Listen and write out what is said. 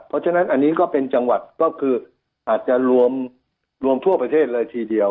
เพราะฉะนั้นอันนี้ก็เป็นจังหวัดก็คืออาจจะรวมทั่วประเทศเลยทีเดียว